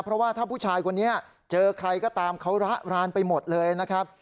เพราะว่าถ้าผู้ชายคนนี้เจอใครก็ตามเขาระรานไปหมดเลยนะครับ